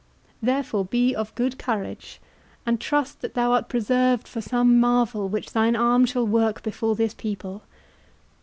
—Therefore, be of good courage, and trust that thou art preserved for some marvel which thine arm shall work before this people.